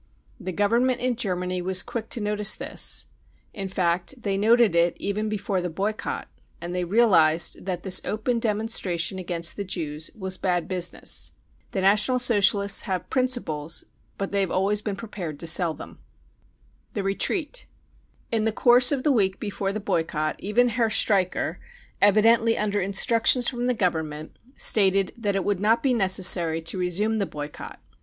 The Government in Germany was quick to notice this ; in fact they noted it even before the boycott, and they realised that this open demonstration against the Jews was bad business. The National Socialists have principles, but they have |lways been prepared to sell them. 264 BROWN BOOK OF THE HITLER TERROR The Retreat. In the course of the week before the boy cott even Herr Streicher, evidently under instructions from the Government, stated that it would not be necessary to resume the boycott.